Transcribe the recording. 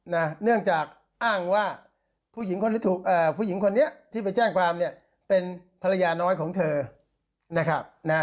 เนื่องจากอ้างว่าผู้หญิงคนนี้ที่ไปแจ้งความเนี่ยเป็นภรรยาน้อยของเธอนะครับ